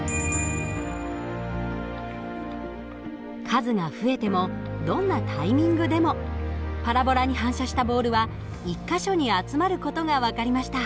数が増えてもどんなタイミングでもパラボラに反射したボールは１か所に集まる事が分かりました。